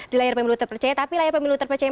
di layar pemilu terpercaya tapi layar pemilu terpercaya